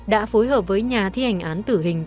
đã phối hợp với nhà thi hành án tử hình